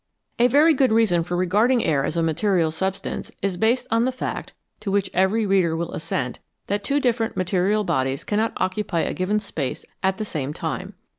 A very good reason for regarding air as a material substance is based on the fact, to which every reader will assent, that two different material bodies cannot occupy a given space at the same time.